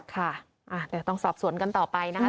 ค่ะเดี๋ยวต้องสอบสวนกันต่อไปนะคะ